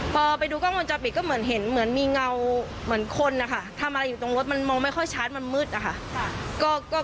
พอไปดูกล้องวงจรปิดก็เหมือนเห็นเหมือนมีเงาเหมือนคนนะคะทำอะไรอยู่ตรงรถมันมองไม่ค่อยชัดมันมืดอะค่ะ